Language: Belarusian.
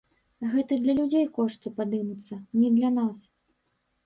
Гэта для людзей кошты падымуцца, не для нас.